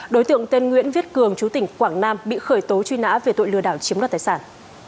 đối tượng tên nguyễn viết cường chú tỉnh quảng nam bị khởi tố truy nã về tội lừa đảo chiếm đoạt tài sản